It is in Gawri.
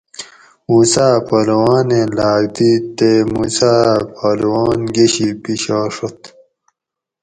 موسیٰ پہلوانیں لاک دِیت تے موسیٰ اۤ پہلوان گشی پشاڛت